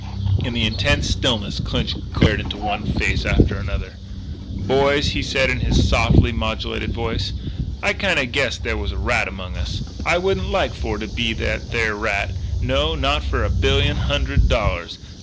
In the intense stillness Clinch glared into one face after another. "Boys," he said in his softly modulated voice, "I kinda guess there's a rat amongst us. I wouldn't like for to be that there rat no, not for a billion hundred dollars.